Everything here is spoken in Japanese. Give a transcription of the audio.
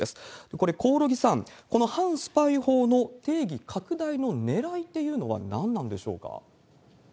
これ、興梠さん、この反スパイ法の定義拡大のねらいというのは何なんでしょうか？